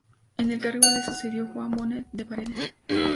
En el cargo le sucedió Juan Bonet de Paredes.